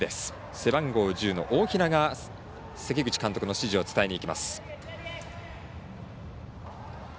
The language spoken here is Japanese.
背番号１０の大平が、関口監督の指示を伝えにいきます。